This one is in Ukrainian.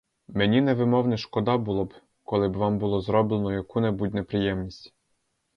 Мені невимовне шкода було б, коли б вам було зроблено яку-небудь неприємність.